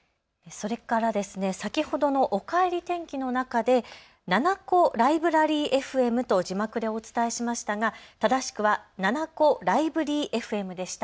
それから先ほどのおかえり天気の中で７７５ライブラリーＦＭと字幕でお伝えしましたが正しくは７７５ライブリーＦＭでした。